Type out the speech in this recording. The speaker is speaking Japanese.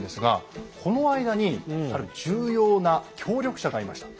この間にある重要な協力者がいました。